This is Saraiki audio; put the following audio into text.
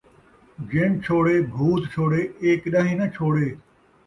جن چھوڑے بھوت چھوڑے، اے کݙان٘ہیں ناں چھوڑے